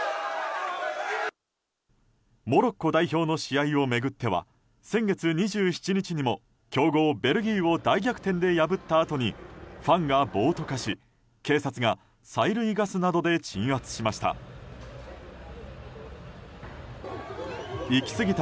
モロッコ代表の試合を巡っては先月２７日にも強豪ベルギーを大逆転で破ったあとにファンが暴徒化し、警察が催涙ガスなどで鎮圧しました。